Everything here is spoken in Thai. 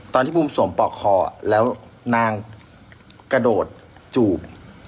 ที่บูมสวมปอกคอแล้วนางกระโดดจูบ